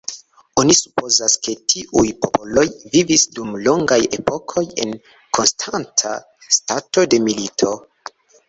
Oni supozas, ke tiuj popoloj vivis dum longaj epokoj en konstanta stato de milito.